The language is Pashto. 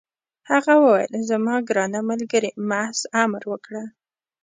هغه وویل: زما ګرانه ملګرې، محض امر وکړه.